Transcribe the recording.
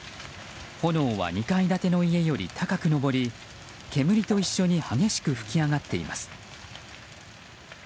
炎は２階建ての家より高く上り煙と一緒に激しく噴き上がっています。